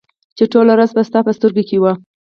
چې ټوله ورځ به ستا په سترګو کې وه